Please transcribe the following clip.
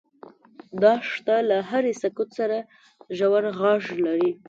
دښته له هرې سکوت سره ژور غږ لري.